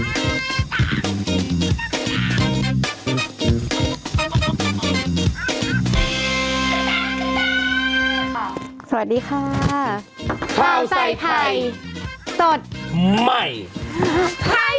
สวัสดีค่ะข้าวใส่ไพ่สดใหม่ไพ่เหรอ